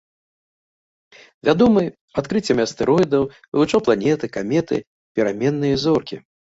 Вядомы адкрыццямі астэроідаў, вывучаў планеты, каметы, пераменныя зоркі.